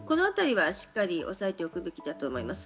しっかり押さえておくべきだと思います。